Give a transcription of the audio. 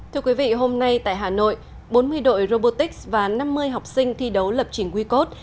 thưa quý vị hôm nay tại hà nội bốn mươi đội robotics và năm mươi học sinh thi đấu lập trình wecode